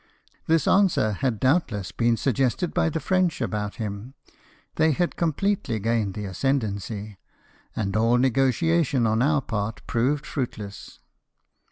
This answer had doubtless been suggested by the French about him ; they had completely gained the ascendency, and all negotiation on our part proved fruitless.